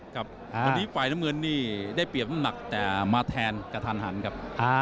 ครับวันนี้ฝ่ายน้ำเงินนี้ได้เปลี่ยนประมาณมาแทนกับทานหันครับ